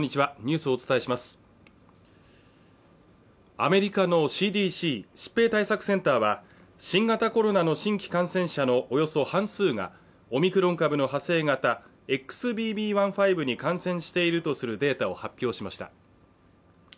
アメリカのＣＤＣ＝疾病対策センターは、新型コロナの新規感染者のおよそ半数が、オミクロン株の派生型ＸＢＢ．１．５に感染しているとするデータを発表しました。